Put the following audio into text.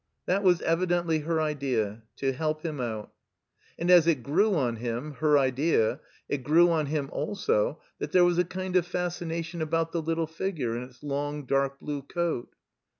That was evidently her idea — ^to help him out. And as it grew on him — ^her idea — it grew on him also that there was a kind of fascination about the little figure in its long dark blue coat.